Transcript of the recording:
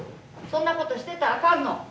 そんなことしてたらあかんの。